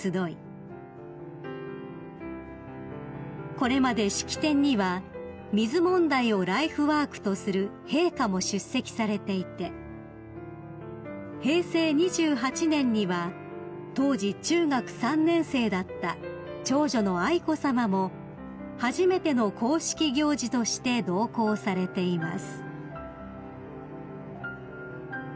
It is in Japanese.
［これまで式典には水問題をライフワークとする陛下も出席されていて平成２８年には当時中学３年生だった長女の愛子さまも初めての公式行事として同行されています］